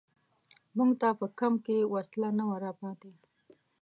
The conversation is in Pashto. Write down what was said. موږ ته په کمپ کې وسله نه وه را پاتې.